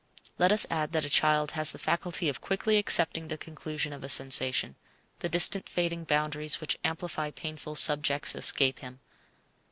Let us add that a child has the faculty of quickly accepting the conclusion of a sensation; the distant fading boundaries which amplify painful subjects escape him.